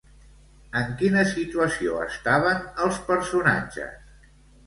En quina situació estaven els personatges?